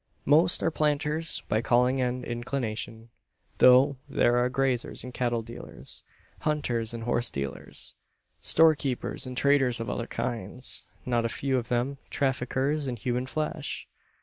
Most are planters by calling and inclination; though there are graziers and cattle dealers, hunters and horse dealers, storekeepers, and traders of other kinds not a few of them traffickers in human flesh!